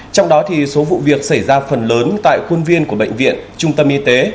trong đó số vụ việc xảy ra phần lớn tại khuôn viên của bệnh viện trung tâm y tế